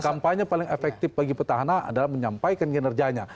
kampanye paling efektif bagi petahana adalah menyampaikan kinerjanya